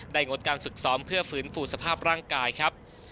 งดการฝึกซ้อมเพื่อฟื้นฟูสภาพร่างกายครับ